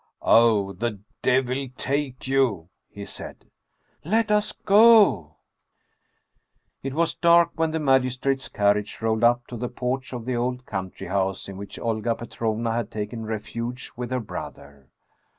" Oh, the devil take you !" he said. " Let us go !" It was dark when the magistrate's carriage rolled up to the porch of the old country house in which Olga Petrovna had taken refuge with her brother.